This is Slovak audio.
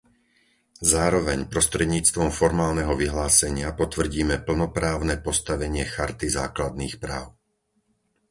Zároveň prostredníctvom formálneho vyhlásenia potvrdíme plnoprávne postavenie Charty základných práv .